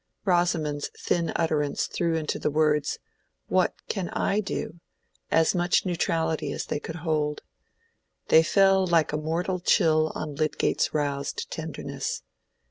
Rosamond's thin utterance threw into the words "What can—I—do!" as much neutrality as they could hold. They fell like a mortal chill on Lydgate's roused tenderness.